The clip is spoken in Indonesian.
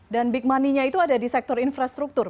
dan big money nya itu ada di sektor infrastruktur